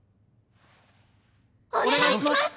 お願いします！